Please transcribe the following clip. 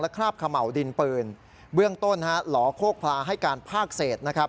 และคราบเขม่าวดินปืนเบื้องต้นหลโคกพลาให้การพากเศษ